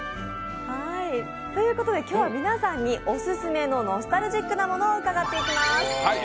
ということで今日は皆さんにオススメのノスタルジックなものを伺っていきます。